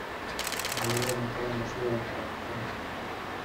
umubare w amafaranga ashobora kwakwa